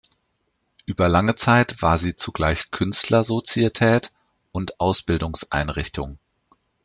Über lange Zeit war sie zugleich Künstler-Sozietät und Ausbildungseinrichtung.